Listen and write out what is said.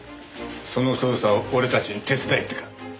その捜査を俺たちに手伝えってか？